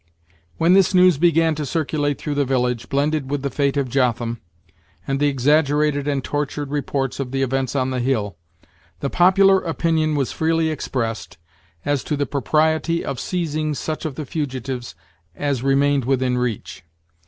When this news began to circulate through the village, blended with the fate of Jotham, and the exaggerated and tortured reports of the events on the hill, the popular opinion was freely expressed, as to the propriety of seizing such of the fugitives as remained within reach.